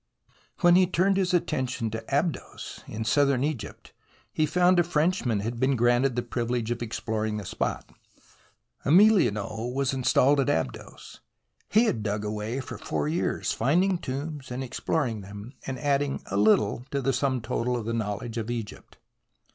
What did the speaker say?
When he turned his attention to Abydos in Southern Egypt, he found a Frenchman had been granted the privilege of exploring the spot. Amelineau was installed at Abydos. He had dug away for four years, finding tombs and exploring them, and adding a little to the sum total of the knowledge of Egypt.